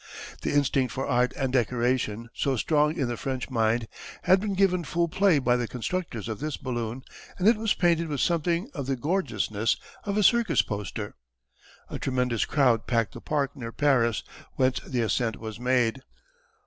The instinct for art and decoration, so strong in the French mind, had been given full play by the constructors of this balloon and it was painted with something of the gorgeousness of a circus poster. A tremendous crowd packed the park near Paris whence the ascent was made.